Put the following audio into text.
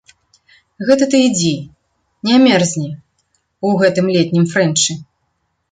Гэта ты ідзі, не мерзні ў гэтым летнім фрэнчы.